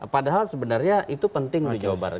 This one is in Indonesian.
padahal sebenarnya itu penting di jawa barat